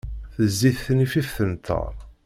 Tezzi tnifift n ttaṛ.